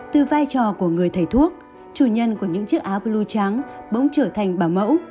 từ vai trò của người thầy thuốc chủ nhân của những chiếc áo blue trắng bỗng trở thành bảo mẫu